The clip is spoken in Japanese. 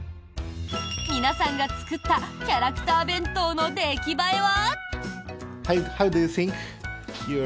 皆さんが作ったキャラクター弁当の出来栄えは？